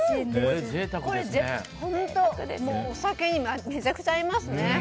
お酒にもめちゃくちゃ合いますね。